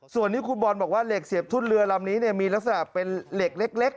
ส่วนที่คุณบอลบอกว่าเหล็กเสียบทุ่นเรือลำนี้มีลักษณะเป็นเหล็กเล็ก